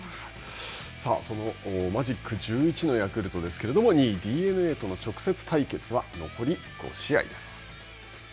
さあ、そのマジック１１のヤクルトですけれども、２位ＤｅＮＡとの直接対決は、残り５試合です。